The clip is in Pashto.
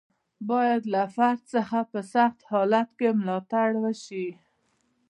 باید له فرد څخه په سخت حالت کې ملاتړ وشي.